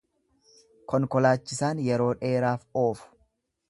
Konkolaachisaan yeroo dheeraaf oofu.